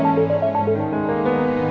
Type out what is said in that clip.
nggakhlyabdd tke maprackienri